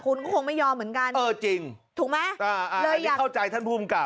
คุณก็คงไม่ยอมเหมือนกันเออจริงถูกไหมเลยอยากเข้าใจท่านภูมิกับ